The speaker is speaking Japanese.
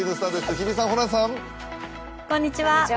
日比さん、ホランさん。